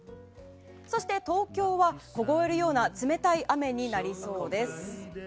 そして東京は凍えるような冷たい雨になりそうです。